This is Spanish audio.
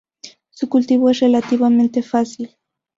Su cultivo es relativamente fácil.